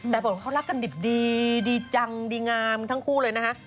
แต่บทเขารักกันดิบดีดีจังดีงามทั้งคู่เลยนะฮะ